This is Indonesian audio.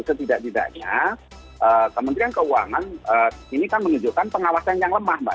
setidak tidaknya kementerian keuangan ini kan menunjukkan pengawasan yang lemah mbak